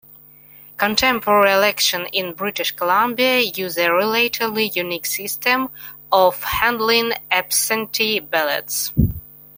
Contemporary elections in British Columbia use a relatively unique system of handling absentee ballots.